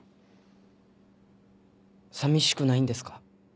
寂しくないんですか？